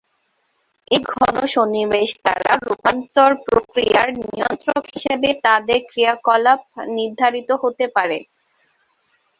এই ঘন সন্নিবেশ দ্বারা, রূপান্তর প্রক্রিয়ার নিয়ন্ত্রক হিসেবে তাদের ক্রিয়াকলাপ নির্ধারিত হতে পারে।